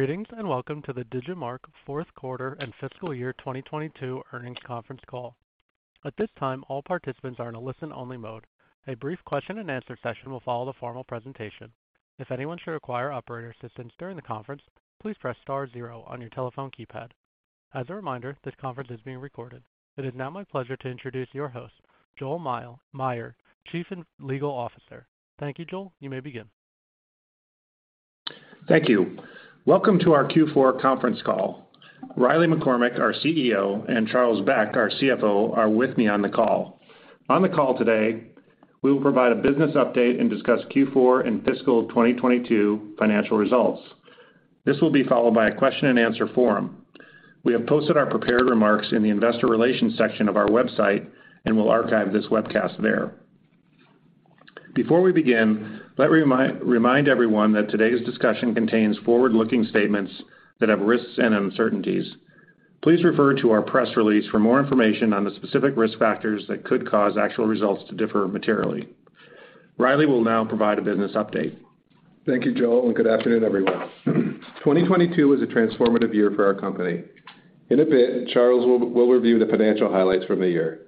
Greetings, welcome to the Digimarc fourth quarter and fiscal year 2022 earnings conference call. At this time, all participants are in a listen-only mode. A brief question and answer session will follow the formal presentation. If anyone should require operator assistance during the conference, please press star 0 on your telephone keypad. As a reminder, this conference is being recorded. It is now my pleasure to introduce your host, Joel Meyer, Chief and Legal Officer. Thank you. Joel, you may begin. Thank you. Welcome to our Q4 conference call. Riley McCormack, our CEO, and Charles Beck, our CFO, are with me on the call. On the call today, we will provide a business update and discuss Q4 and fiscal 2022 financial results. This will be followed by a question and answer forum. We have posted our prepared remarks in the investor relations section of our website and will archive this webcast there. Before we begin, let me remind everyone that today's discussion contains forward-looking statements that have risks and uncertainties. Please refer to our press release for more information on the specific risk factors that could cause actual results to differ materially. Riley will now provide a business update. Thank you, Joel. Good afternoon, everyone. 2022 was a transformative year for our company. In a bit, Charles will review the financial highlights from the year.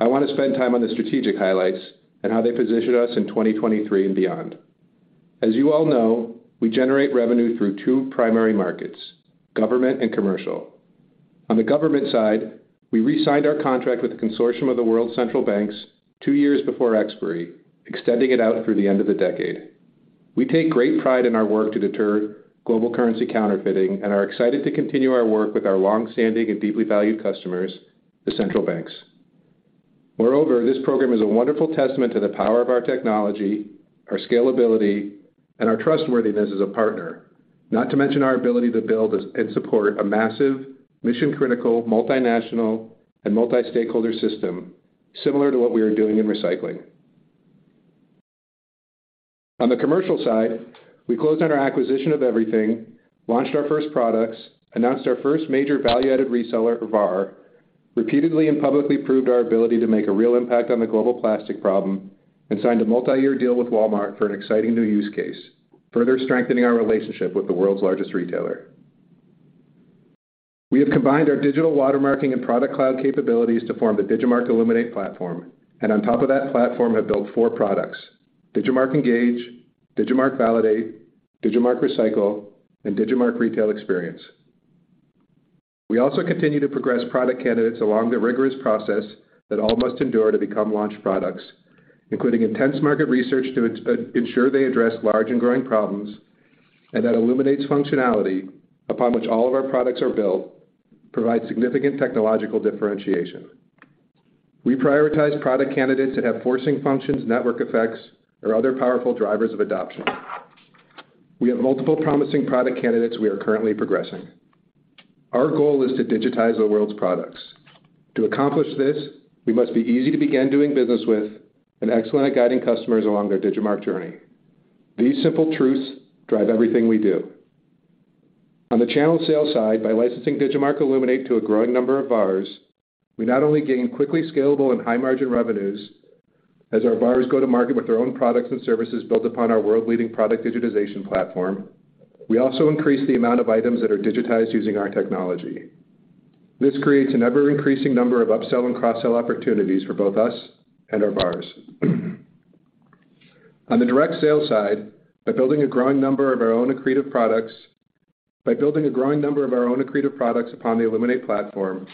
I want to spend time on the strategic highlights and how they positioned us in 2023 and beyond. As you all know, we generate revenue through two primary markets, government and commercial. On the government side, we re-signed our contract with the consortium of the world's central banks two years before expiry, extending it out through the end of the decade. We take great pride in our work to deter global currency counterfeiting and are excited to continue our work with our long-standing and deeply valued customers, the Central Banks. Moreover, this program is a wonderful testament to the power of our technology, our scalability, and our trustworthiness as a partner. Not to mention our ability to build and support a massive, mission-critical, multinational, and multi-stakeholder system similar to what we are doing in recycling. On the commercial side, we closed on our acquisition of EVRYTHNG, launched our first products, announced our first major value-added reseller, or VAR, repeatedly and publicly proved our ability to make a real impact on the global plastic problem, and signed a multi-year deal with Walmart for an exciting new use case, further strengthening our relationship with the world's largest retailer. We have combined our digital watermarking and product cloud capabilities to form the Digimarc Illuminate platform, and on top of that platform have built four products: Digimarc Engage, Digimarc Validate, Digimarc Recycle, and Digimarc Retail Experience. We also continue to progress product candidates along the rigorous process that all must endure to become launched products, including intense market research to ensure they address large and growing problems, and that Illuminate's functionality, upon which all of our products are built, provides significant technological differentiation. We prioritize product candidates that have forcing functions, network effects, or other powerful drivers of adoption. We have multiple promising product candidates we are currently progressing. Our goal is to digitize the world's products. To accomplish this, we must be easy to begin doing business with and excellent at guiding customers along their Digimarc journey. These simple truths drive everything we do. On the channel sales side, by licensing Digimarc Illuminate to a growing number of VARs, we not only gain quickly scalable and high-margin revenues as our VARs go to market with their own products and services built upon our world-leading product digitization platform, we also increase the amount of items that are digitized using our technology. This creates an ever-increasing number of upsell and cross-sell opportunities for both us and our VARs. On the direct sales side, by building a growing number of our own accretive products upon the Illuminate platform,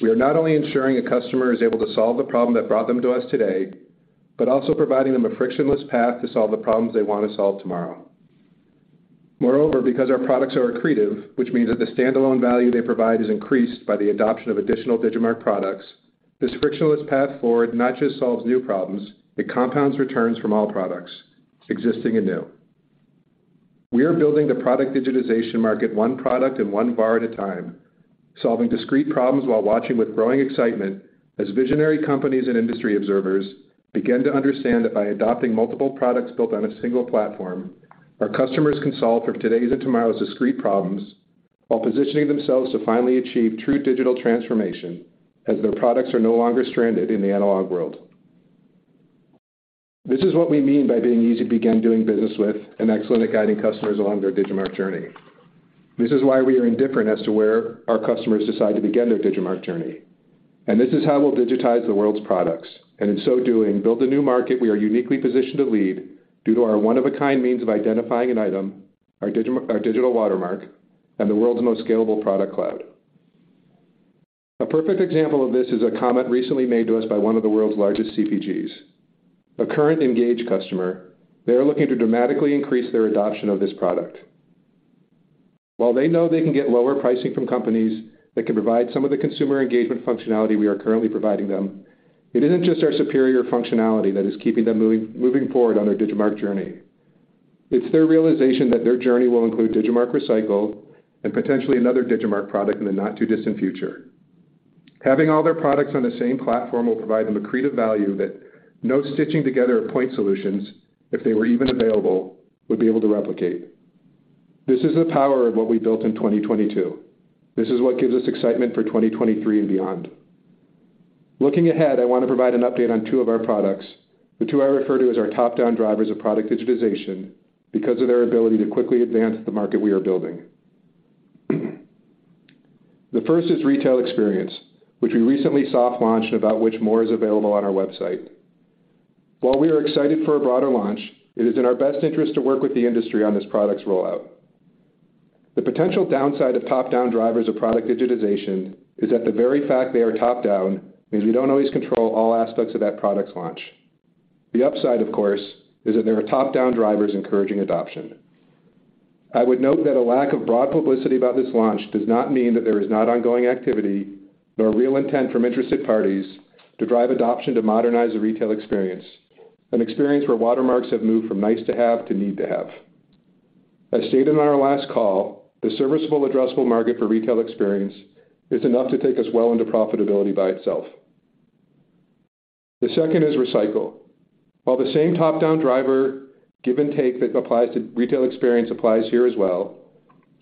we are not only ensuring a customer is able to solve the problem that brought them to us today, but also providing them a frictionless path to solve the problems they want to solve tomorrow. Moreover, because our products are accretive, which means that the standalone value they provide is increased by the adoption of additional Digimarc products, this frictionless path forward not just solves new problems, it compounds returns from all products, existing and new. We are building the product digitization market one product and one VAR at a time, solving discrete problems while watching with growing excitement as visionary companies and industry observers begin to understand that by adopting multiple products built on a single platform, our customers can solve for today's and tomorrow's discrete problems while positioning themselves to finally achieve true digital transformation as their products are no longer stranded in the analog world. This is what we mean by being easy to begin doing business with and excellent at guiding customers along their Digimarc journey. This is why we are indifferent as to where our customers decide to begin their Digimarc journey. This is how we'll digitize the world's products, and in so doing, build a new market we are uniquely positioned to lead due to our one-of-a-kind means of identifying an item, our digital watermark, and the world's most scalable product cloud. A perfect example of this is a comment recently made to us by one of the world's largest CPGs. A current Engage customer, they are looking to dramatically increase their adoption of this product. While they know they can get lower pricing from companies that can provide some of the consumer engagement functionality we are currently providing them, it isn't just our superior functionality that is keeping them moving forward on their Digimarc journey. It's their realization that their journey will include Digimarc Recycle and potentially another Digimarc product in the not-too-distant future. Having all their products on the same platform will provide them accretive value that no stitching together of point solutions, if they were even available, would be able to replicate. This is the power of what we built in 2022. This is what gives us excitement for 2023 and beyond. Looking ahead, I want to provide an update on two of our products, the two I refer to as our top-down drivers of product digitization because of their ability to quickly advance the market we are building. The first is Retail Experience, which we recently soft launched, about which more is available on our website. While we are excited for a broader launch, it is in our best interest to work with the industry on this product's rollout. The potential downside of top-down drivers of product digitization is that the very fact they are top-down means we don't always control all aspects of that product's launch. The upside, of course, is that there are top-down drivers encouraging adoption. I would note that a lack of broad publicity about this launch does not mean that there is not ongoing activity nor a real intent from interested parties to drive adoption to modernize the retail experience, an experience where watermarks have moved from nice to have to need to have. As stated on our last call, the serviceable addressable market for retail experience is enough to take us well into profitability by itself. The second is Recycle. The same top-down driver, give and take, that applies to retail experience applies here as well.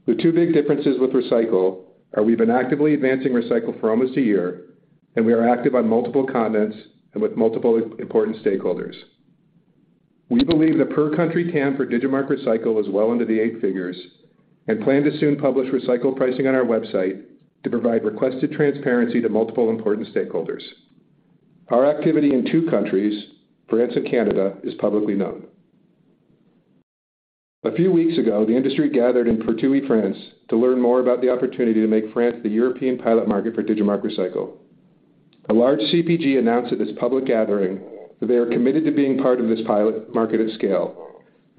The two big differences with Recycle are we've been actively advancing Recycle for almost a year. We are active on multiple continents and with multiple important stakeholders. We believe the per country TAM for Digimarc Recycle is well into the eight figures and plan to soon publish Recycle pricing on our website to provide requested transparency to multiple important stakeholders. Our activity in two countries, France and Canada, is publicly known. A few weeks ago, the industry gathered in Pertuis, France to learn more about the opportunity to make France the European pilot market for Digimarc Recycle. A large CPG announced at this public gathering that they are committed to being part of this pilot market at scale.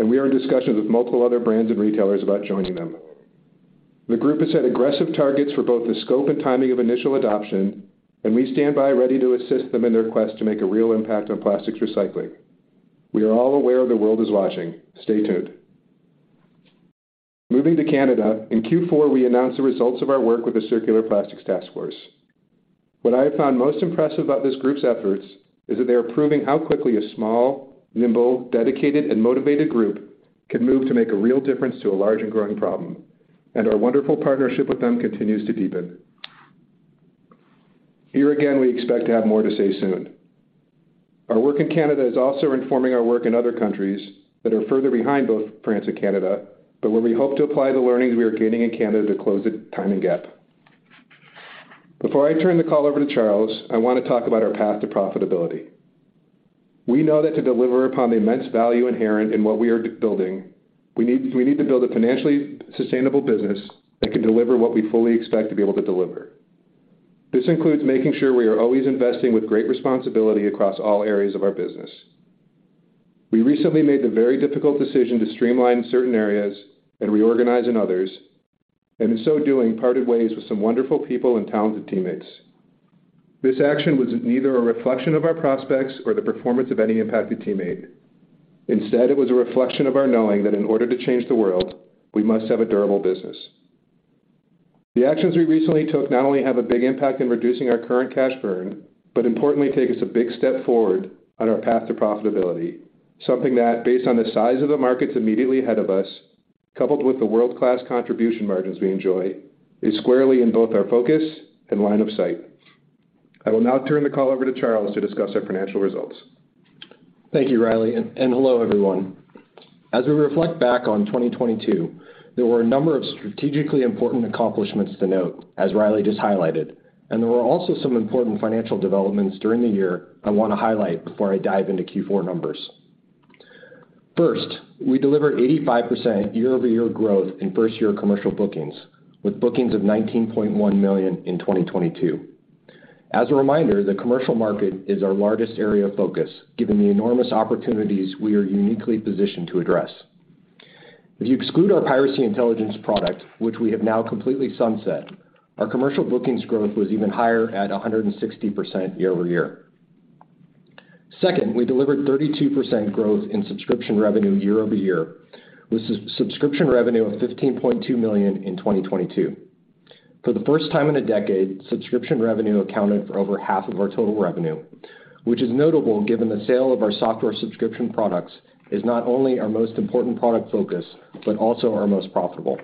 We are in discussions with multiple other brands and retailers about joining them. The group has set aggressive targets for both the scope and timing of initial adoption. We stand by ready to assist them in their quest to make a real impact on plastics recycling. We are all aware the world is watching. Stay tuned. Moving to Canada. In Q4, we announced the results of our work with the Circular Plastics Taskforce. What I have found most impressive about this group's efforts is that they are proving how quickly a small, nimble, dedicated, and motivated group can move to make a real difference to a large and growing problem. Our wonderful partnership with them continues to deepen. Here again, we expect to have more to say soon. Our work in Canada is also informing our work in other countries that are further behind both France and Canada, but where we hope to apply the learnings we are gaining in Canada to close the timing gap. Before I turn the call over to Charles, I want to talk about our path to profitability. We know that to deliver upon the immense value inherent in what we are building, we need to build a financially sustainable business that can deliver what we fully expect to be able to deliver. This includes making sure we are always investing with great responsibility across all areas of our business. We recently made the very difficult decision to streamline certain areas and reorganize in others, and in so doing, parted ways with some wonderful people and talented teammates. This action was neither a reflection of our prospects or the performance of any impacted teammate. Instead, it was a reflection of our knowing that in order to change the world, we must have a durable business. The actions we recently took not only have a big impact in reducing our current cash burn, but importantly, take us a big step forward on our path to profitability. Something that, based on the size of the markets immediately ahead of us, coupled with the world-class contribution margins we enjoy, is squarely in both our focus and line of sight. I will now turn the call over to Charles to discuss our financial results. Thank you, Riley, and hello, everyone. As we reflect back on 2022, there were a number of strategically important accomplishments to note, as Riley just highlighted, and there were also some important financial developments during the year I wanna highlight before I dive into Q4 numbers. First, we delivered 85% year-over-year growth in first-year commercial bookings, with bookings of $19.1 million in 2022. As a reminder, the commercial market is our largest area of focus, given the enormous opportunities we are uniquely positioned to address. If you exclude our Piracy Intelligence product, which we have now completely sunset, our commercial bookings growth was even higher at 160% year-over-year. Second, we delivered 32% growth in subscription revenue year-over-year, with subscription revenue of $15.2 million in 2022. For the first time in a decade, subscription revenue accounted for over half of our total revenue, which is notable given the sale of our software subscription products is not only our most important product focus but also our most profitable.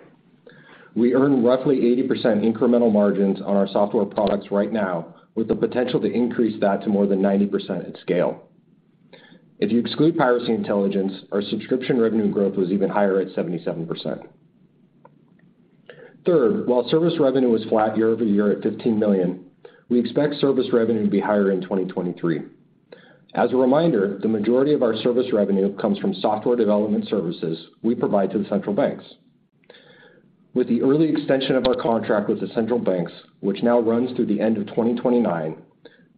We earn roughly 80% incremental margins on our software products right now, with the potential to increase that to more than 90% at scale. If you exclude Piracy Intelligence, our subscription revenue growth was even higher at 77%. Third, while service revenue was flat year-over-year at $15 million, we expect service revenue to be higher in 2023. As a reminder, the majority of our service revenue comes from software development services we provide to the Central Banks. With the early extension of our contract with the Central Banks, which now runs through the end of 2029,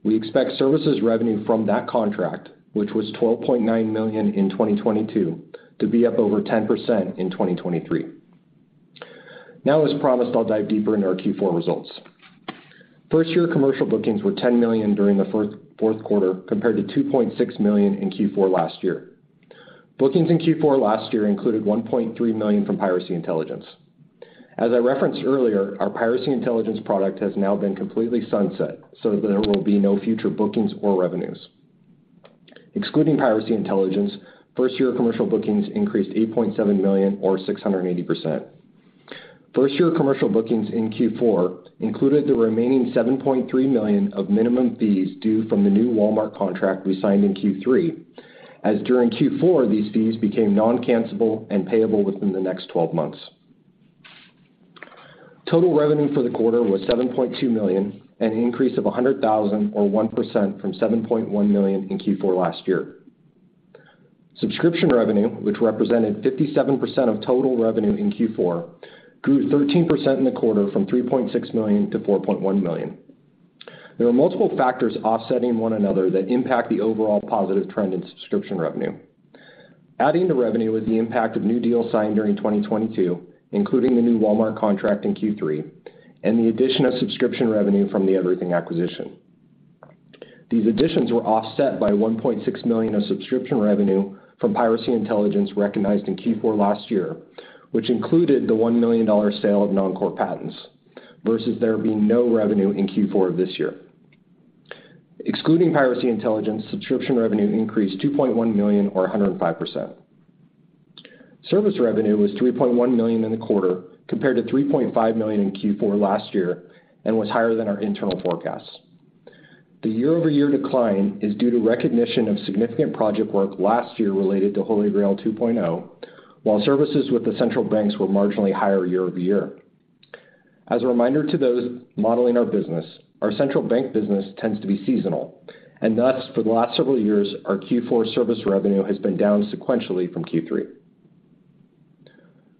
we expect services revenue from that contract, which was $12.9 million in 2022, to be up over 10% in 2023. As promised, I'll dive deeper into our Q4 results. First-year commercial bookings were $10 million during the fourth quarter, compared to $2.6 million in Q4 last year. Bookings in Q4 last year included $1.3 million from Piracy Intelligence. As I referenced earlier, our Piracy Intelligence product has now been completely sunset, so there will be no future bookings or revenues. Excluding Piracy Intelligence, first year commercial bookings increased $8.7 million or 680%. First year commercial bookings in Q4 included the remaining $7.3 million of minimum fees due from the new Walmart contract we signed in Q3. As during Q4, these fees became non-cancelable and payable within the next 12 months. Total revenue for the quarter was $7.2 million, an increase of $100,000 or 1% from $7.1 million in Q4 last year. Subscription revenue, which represented 57% of total revenue in Q4, grew 13% in the quarter from $3.6 million to $4.1 million. There were multiple factors offsetting one another that impact the overall positive trend in subscription revenue. Adding to revenue was the impact of new deals signed during 2022, including the new Walmart contract in Q3 and the addition of subscription revenue from the EVRYTHNG acquisition. These additions were offset by $1.6 million of subscription revenue from Piracy Intelligence recognized in Q4 last year, which included the $1 million sale of non-core patents, versus there being no revenue in Q4 this year. Excluding Piracy Intelligence, subscription revenue increased $2.1 million or 105%. Service revenue was $3.1 million in the quarter compared to $3.5 million in Q4 last year and was higher than our internal forecasts. The year-over-year decline is due to recognition of significant project work last year related to HolyGrail 2.0, while services with the Central Banks were marginally higher year over year. As a reminder to those modeling our business, our central bank business tends to be seasonal, and thus, for the last several years, our Q4 service revenue has been down sequentially from Q3.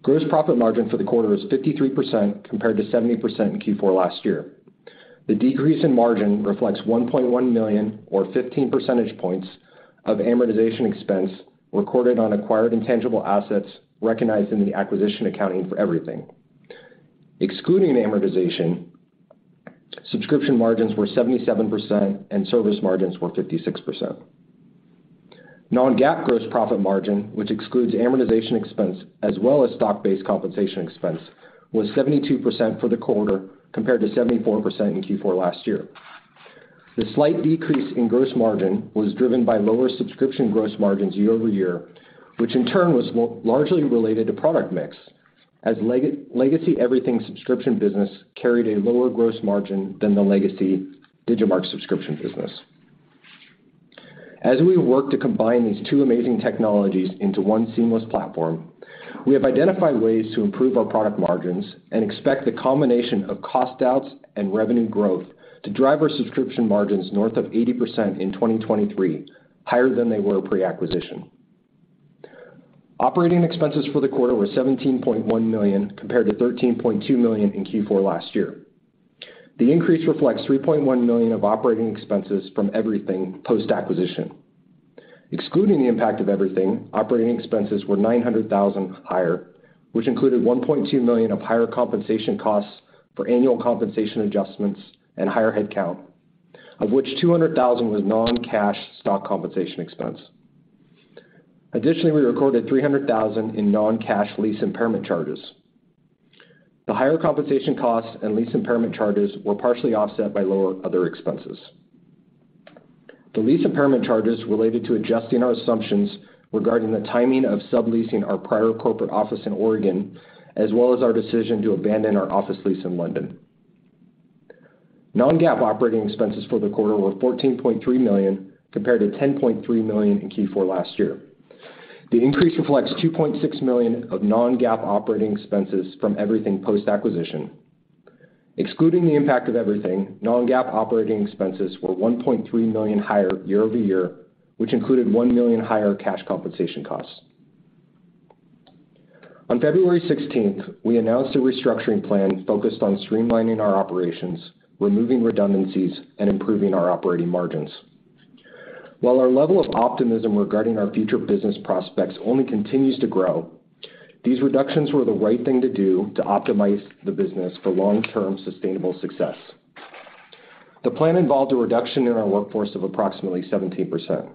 Gross profit margin for the quarter was 53% compared to 70% in Q4 last year. The decrease in margin reflects $1.1 million or 15 percentage points of amortization expense recorded on acquired intangible assets recognized in the acquisition accounting for EVRYTHNG. Excluding amortization, subscription margins were 77% and service margins were 56%. Non-GAAP gross profit margin, which excludes amortization expense as well as stock-based compensation expense, was 72% for the quarter, compared to 74% in Q4 last year. The slight decrease in gross margin was driven by lower subscription gross margins year-over-year, which in turn was largely related to product mix as legacy EVRYTHNG subscription business carried a lower gross margin than the legacy Digimarc subscription business. As we work to combine these two amazing technologies into one seamless platform, we have identified ways to improve our product margins and expect the combination of cost outs and revenue growth to drive our subscription margins north of 80% in 2023, higher than they were pre-acquisition. OpEx for the quarter were $17.1 million, compared to $13.2 million in Q4 last year. The increase reflects $3.1 million of OpEx from EVRYTHNG post-acquisition. Excluding the impact of EVRYTHNG, OpEx were $900,000 higher, which included $1.2 million of higher compensation costs for annual compensation adjustments and higher headcount, of which $200,000 was non-cash stock compensation expense. Additionally, we recorded $300,000 in non-cash lease impairment charges. The higher compensation costs and lease impairment charges were partially offset by lower other expenses. The lease impairment charges related to adjusting our assumptions regarding the timing of subleasing our prior corporate office in Oregon, as well as our decision to abandon our office lease in London. Non-GAAP operating expenses for the quarter were $14.3 million, compared to $10.3 million in Q4 last year. The increase reflects $2.6 million of Non-GAAP operating expenses from EVRYTHNG post-acquisition. Excluding the impact of EVRYTHNG, Non-GAAP operating expenses were $1.3 million higher year-over-year, which included $1 million higher cash compensation costs. On February 16th, we announced a restructuring plan focused on streamlining our operations, removing redundancies, and improving our operating margins. While our level of optimism regarding our future business prospects only continues to grow, these reductions were the right thing to do to optimize the business for long-term sustainable success. The plan involved a reduction in our workforce of approximately 17%.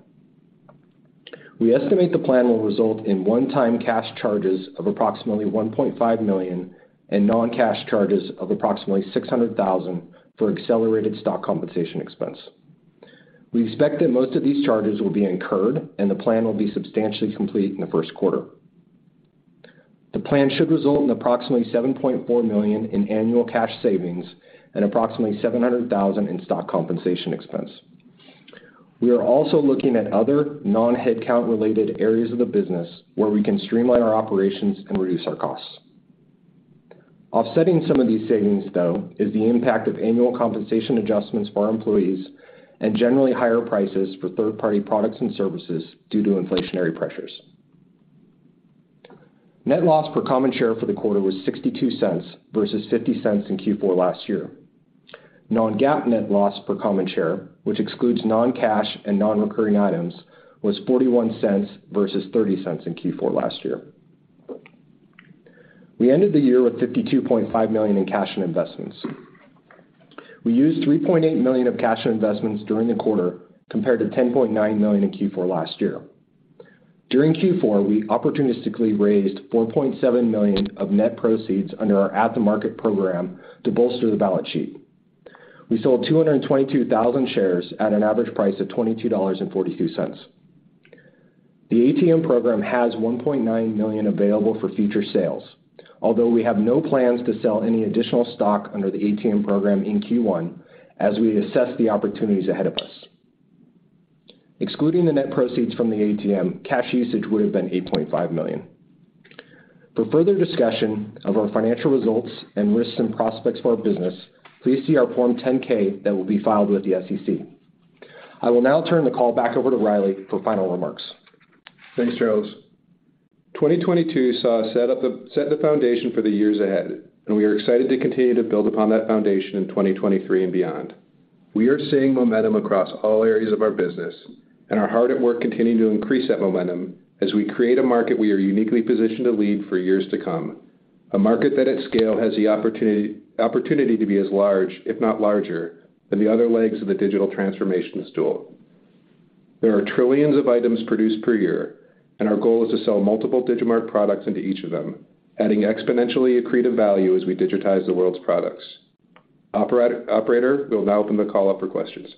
We estimate the plan will result in one-time cash charges of approximately $1.5 million and non-cash charges of approximately $600,000 for accelerated stock compensation expense. We expect that most of these charges will be incurred and the plan will be substantially complete in the first quarter. The plan should result in approximately $7.4 million in annual cash savings and approximately $700,000 in stock compensation expense. We are also looking at other non-headcount related areas of the business where we can streamline our operations and reduce our costs. Offsetting some of these savings, though, is the impact of annual compensation adjustments for our employees and generally higher prices for third-party products and services due to inflationary pressures. Net loss per common share for the quarter was $0.62 versus $0.50 in Q4 last year. Non-GAAP net loss per common share, which excludes non-cash and non-recurring items, was $0.41 versus $0.30 in Q4 last year. We ended the year with $52.5 million in cash and investments. We used $3.8 million of cash and investments during the quarter compared to $10.9 million in Q4 last year. During Q4, we opportunistically raised $4.7 million of net proceeds under our at the market program to bolster the balance sheet. We sold 222,000 shares at an average price of $22.42. The ATM program has $1.9 million available for future sales, although we have no plans to sell any additional stock under the ATM program in Q1 as we assess the opportunities ahead of us. Excluding the net proceeds from the ATM, cash usage would have been $8.5 million. For further discussion of our financial results and risks and prospects for our business, please see our Form 10-K that will be filed with the SEC. I will now turn the call back over to Riley for final remarks. Thanks, Charles. 2022 saw us set the foundation for the years ahead. We are excited to continue to build upon that foundation in 2023 and beyond. We are seeing momentum across all areas of our business and are hard at work continuing to increase that momentum as we create a market we are uniquely positioned to lead for years to come. A market that at scale has the opportunity to be as large, if not larger, than the other legs of the digital transformation stool. There are trillions of items produced per year. Our goal is to sell multiple Digimarc products into each of them, adding exponentially accretive value as we digitize the world's products. Operator, we'll now open the call up for questions.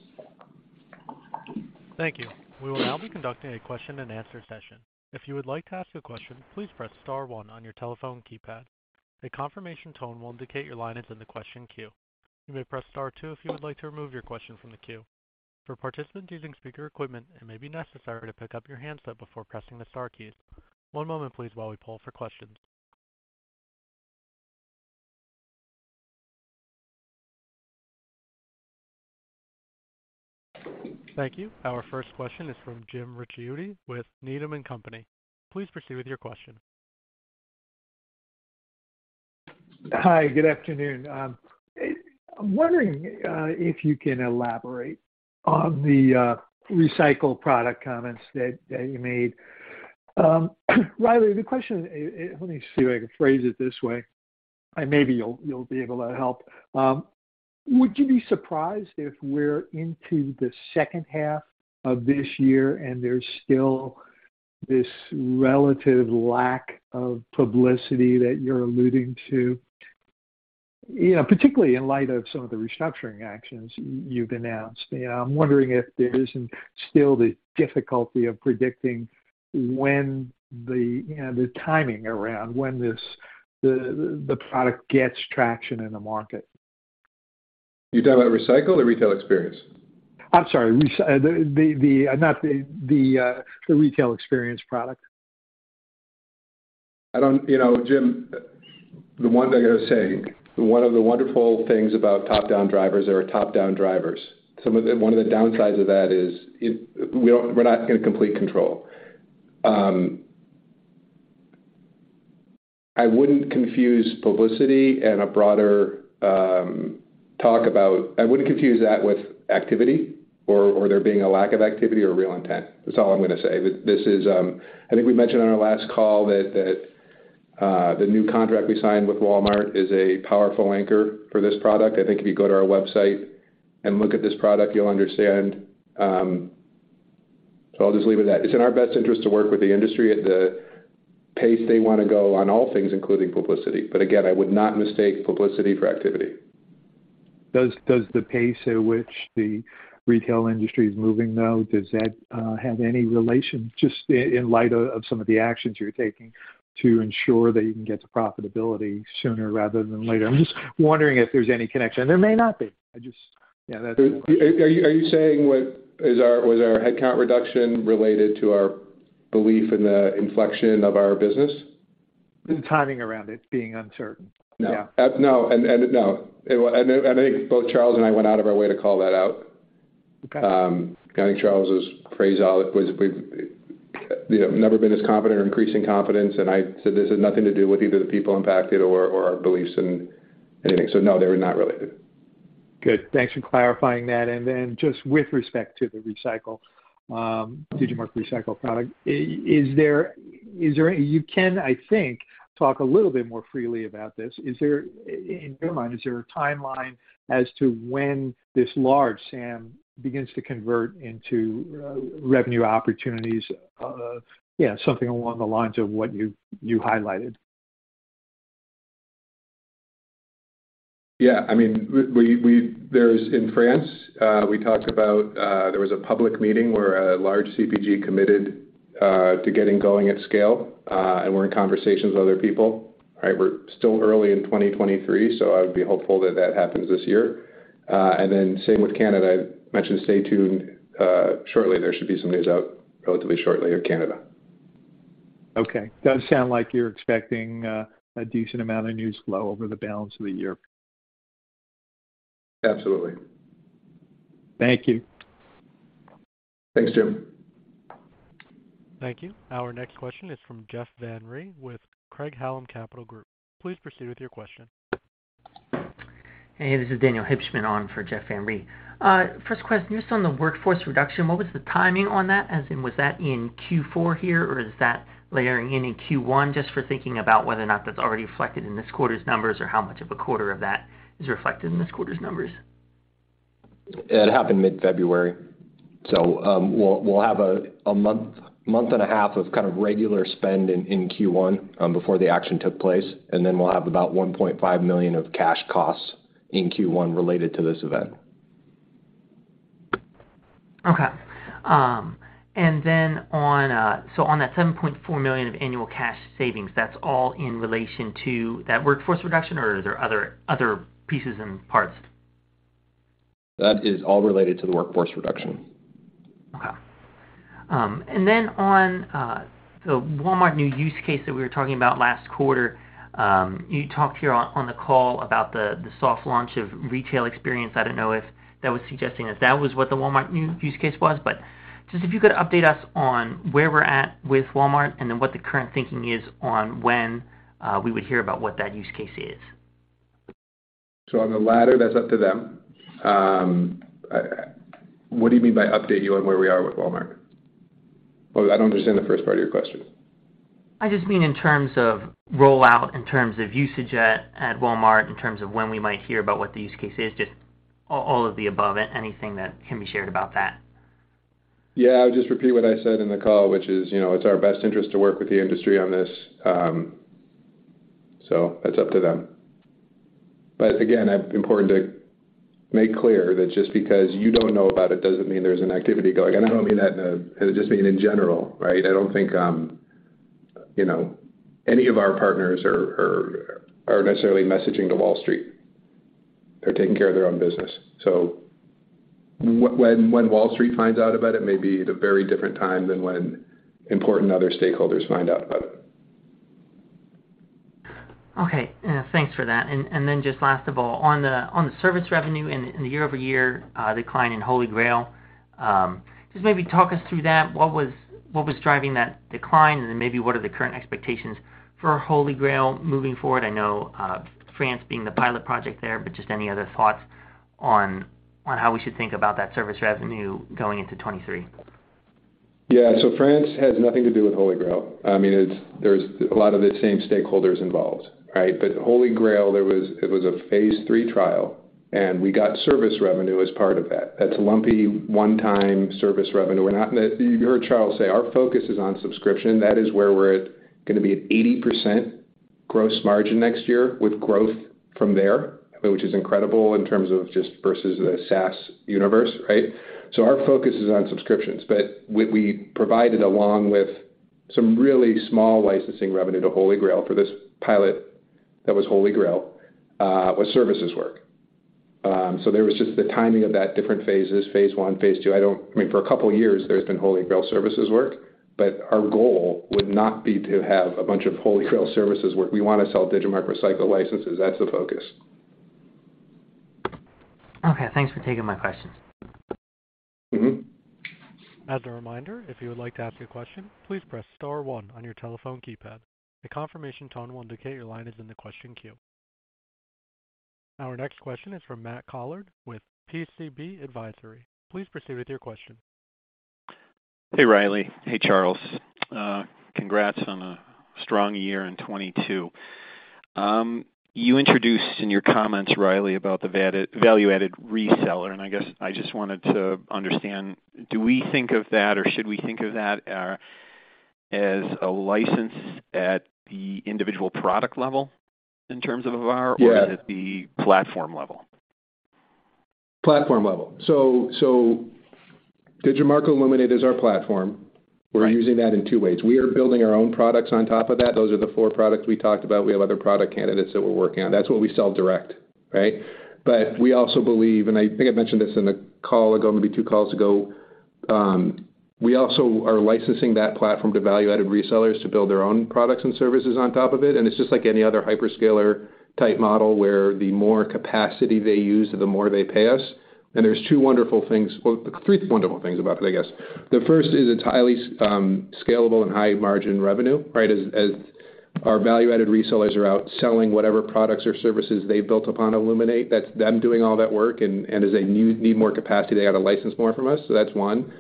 Thank you. We will now be conducting a question and answer session. If you would like to ask a question, please press star one on your telephone keypad. A confirmation tone will indicate your line is in the question queue. You may press star two if you would like to remove your question from the queue. For participants using speaker equipment, it may be necessary to pick up your handset before pressing the star keys. One moment please while we poll for questions. Thank you. Our first question is from Jim Ricchiuti with Needham & Company. Please proceed with your question. Hi. Good afternoon. I'm wondering if you can elaborate on the Digimarc Recycle product comments that you made. Riley, the question is, let me see if I can phrase it this way, and maybe you'll be able to help. Would you be surprised if we're into the second half of this year and there's still this relative lack of publicity that you're alluding to? You know, particularly in light of some of the restructuring actions you've announced. You know, I'm wondering if there isn't still the difficulty of predicting when the timing around when this the product gets traction in the market. You talking about Recycle or Retail Experience? I'm sorry, not the Retail Experience product. I don't. You know, Jim, the one thing I would say, one of the wonderful things about top-down drivers are top-down drivers. One of the downsides of that is it. We're not in complete control. I wouldn't confuse publicity and a broader talk about. I wouldn't confuse that with activity or there being a lack of activity or real intent. That's all I'm gonna say. This is. I think we mentioned on our last call that the new contract we signed with Walmart is a powerful anchor for this product. I think if you go to our website and look at this product, you'll understand, so I'll just leave it at that. It's in our best interest to work with the industry at the pace they wanna go on all things, including publicity. Again, I would not mistake publicity for activity. Does the pace at which the retail industry is moving, though, does that have any relation just in light of some of the actions you're taking to ensure that you can get to profitability sooner rather than later? I'm just wondering if there's any connection. There may not be. I just. Yeah, that's. Are you saying what? Was our headcount reduction related to our belief in the inflection of our business? The timing around it being uncertain. Yeah. No. No. I think both Charles and I went out of our way to call that out. Okay. I think Charles's phrase was, we've, you know, never been as confident or increasing confidence. I said this has nothing to do with either the people impacted or our beliefs in anything. No, they're not related. Good. Thanks for clarifying that. Then just with respect to the Digimarc Recycle product. You can, I think, talk a little bit more freely about this. In your mind, is there a timeline as to when this large SAM begins to convert into revenue opportunities of, you know, something along the lines of what you highlighted? Yeah, I mean, we. There's in France, we talked about. There was a public meeting where a large CPG committed to getting going at scale, and we're in conversations with other people, right? We're still early in 2023, so I would be hopeful that that happens this year. Same with Canada. I mentioned stay tuned. Shortly there should be some news out relatively shortly of Canada. Okay. Does sound like you're expecting a decent amount of news flow over the balance of the year. Absolutely. Thank you. Thanks, Jim. Thank you. Our next question is from Jeff Van Rhee with Craig-Hallum Capital Group. Please proceed with your question. Hey, this is Daniel Hibshman on for Jeff Van Rhee. First question, just on the workforce reduction, what was the timing on that? As in, was that in Q4 here, or is that layering in in Q1? Just for thinking about whether or not that's already reflected in this quarter's numbers or how much of a quarter of that is reflected in this quarter's numbers. It happened mid-February. We'll have a month and a half of kind of regular spend in Q1, before the action took place, and then we'll have about $1.5 million of cash costs in Q1 related to this event. On that $7.4 million of annual cash savings, that's all in relation to that workforce reduction or are there other pieces and parts? That is all related to the workforce reduction. Okay. On the Walmart new use case that we were talking about last quarter, you talked here on the call about the soft launch of Retail Experience. I don't know if that was suggesting if that was what the Walmart new use case was. Just if you could update us on where we're at with Walmart and then what the current thinking is on when we would hear about what that use case is. On the latter, that's up to them. What do you mean by update you on where we are with Walmart? Oh, I don't understand the first part of your question. I just mean in terms of rollout, in terms of usage at Walmart, in terms of when we might hear about what the use case is, just all of the above, anything that can be shared about that. Yeah. I'll just repeat what I said in the call, which is, you know, it's our best interest to work with the industry on this. That's up to them. Again, important to make clear that just because you don't know about it doesn't mean there's an activity going. I don't mean that in a I just mean in general, right? I don't think, you know, any of our partners are necessarily messaging to Wall Street. They're taking care of their own business. When Wall Street finds out about it may be at a very different time than when important other stakeholders find out about it. Okay. Thanks for that. Just last of all, on the service revenue and the year-over-year decline in HolyGrail, just maybe talk us through that. What was driving that decline? Then maybe what are the current expectations for HolyGrail moving forward? I know France being the pilot project there, but just any other thoughts on how we should think about that service revenue going into 2023. France has nothing to do with HolyGrail. I mean, there's a lot of the same stakeholders involved, right? HolyGrail, it was a phase 3 trial, and we got service revenue as part of that. That's lumpy one-time service revenue. We're not gonna. You heard Charles say our focus is on subscription. That is where we're at, gonna be at 80% gross margin next year with growth from there, which is incredible in terms of just versus the SaaS universe, right? Our focus is on subscriptions. We, we provided, along with some really small licensing revenue to HolyGrail for this pilot that was HolyGrail, was services work. There was just the timing of that, different phases, phase 1, phase 2. I don't. I mean, for a couple years there's been HolyGrail services work. Our goal would not be to have a bunch of HolyGrail services work. We wanna sell Digimarc Recycle licenses. That's the focus. Okay, thanks for taking my questions. Mm-hmm. As a reminder, if you would like to ask a question, please press star one on your telephone keypad. A confirmation tone will indicate your line is in the question queue. Our next question is from Matt Collard with PCB Advisory. Please proceed with your question. Hey, Riley. Hey, Charles. Congrats on a strong year in 2022. You introduced in your comments, Riley, about the value-added reseller, and I guess I just wanted to understand, do we think of that or should we think of that as a license at the individual product level in terms of a VAR? Yeah. Is it the platform level? Platform level. Digimarc Illuminate is our platform. Right. We're using that in two ways. We are building our own products on top of that. Those are the four products we talked about. We have other product candidates that we're working on. That's what we sell direct, right? We also believe, and I think I mentioned this in a call ago, maybe two calls ago, we also are licensing that platform to value-added resellers to build their own products and services on top of it, and it's just like any other hyperscaler type model, where the more capacity they use, the more they pay us. There's two wonderful things, well, three wonderful things about it, I guess. The first is it's highly scalable and high margin revenue, right? As our value-added resellers are out selling whatever products or services they built upon Illuminate, that's them doing all that work, and as they need more capacity, they gotta license more from us. That's one.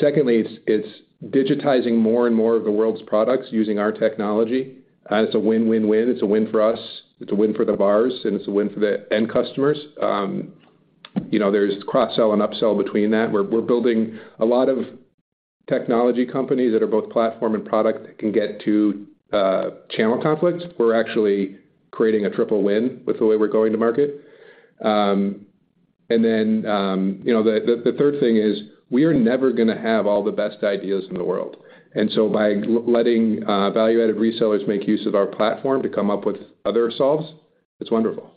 Secondly, it's digitizing more and more of the world's products using our technology, it's a win-win-win. It's a win for us, it's a win for the VARs, and it's a win for the end customers. You know, there's cross-sell and upsell between that, where we're building a lot of technology companies that are both platform and product that can get to channel conflict. We're actually creating a triple win with the way we're going to market. Then, you know, the third thing is we are never gonna have all the best ideas in the world. By letting value-added resellers make use of our platform to come up with other solves, it's wonderful.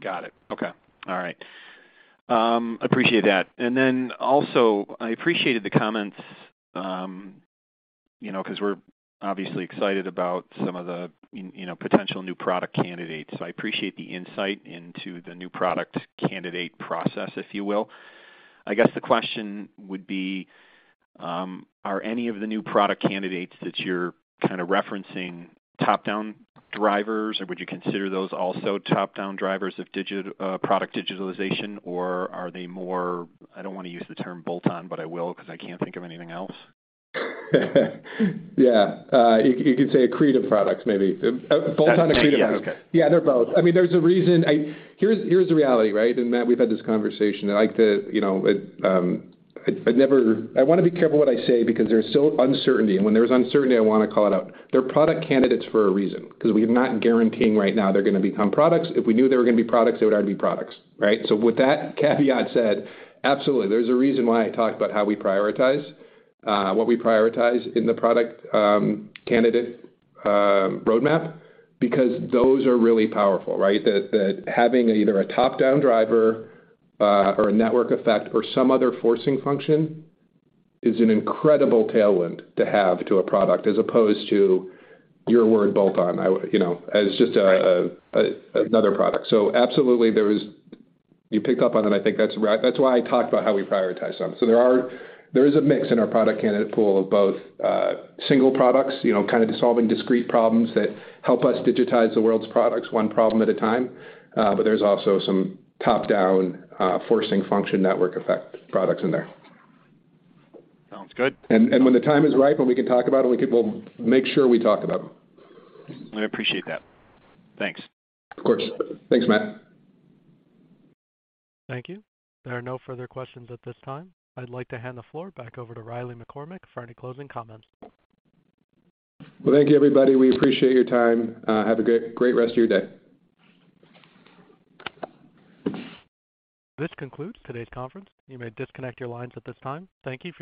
Got it. Okay. All right. Appreciate that. Also, I appreciated the comments, you know, 'cause we're obviously excited about some of the, you know, potential new product candidates. I appreciate the insight into the new product candidate process, if you will. I guess the question would be, are any of the new product candidates that you're kind of referencing top-down drivers, or would you consider those also top-down drivers of product digitalization, or are they more, I don't wanna use the term bolt-on, but I will 'cause I can't think of anything else? Yeah. You could say accretive products maybe. Bolt-on accretive products. That's. Yeah, okay. Yeah, they're both. I mean, there's a reason. Here's the reality, right? Matt, we've had this conversation. I like to, you know, I never wanna be careful what I say because there's still uncertainty, and when there's uncertainty, I wanna call it out. They're product candidates for a reason, 'cause we're not guaranteeing right now they're gonna become products. If we knew they were gonna be products, they would already be products, right? With that caveat said, absolutely. There's a reason why I talk about how we prioritize what we prioritize in the product candidate roadmap, because those are really powerful, right? That having either a top-down driver or a network effect or some other forcing function is an incredible tailwind to have to a product as opposed to your word bolt-on. I would, you know, as just another product. Absolutely there is. You picked up on it, and I think that's why I talk about how we prioritize them. There is a mix in our product candidate pool of both single products, you know, kind of solving discrete problems that help us digitize the world's products one problem at a time. There's also some top-down, forcing function network effect products in there. Sounds good. When the time is right, when we can talk about it, when we can, we'll make sure we talk about them. I appreciate that. Thanks. Of course. Thanks, Matt. Thank you. There are no further questions at this time. I'd like to hand the floor back over to Riley McCormack for any closing comments. Well, thank you everybody. We appreciate your time. Have a great rest of your day. This concludes today's conference. You may disconnect your lines at this time. Thank you.